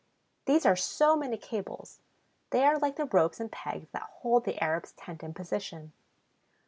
These are so many cables; they are like the ropes and pegs that hold the Arab's tent in position.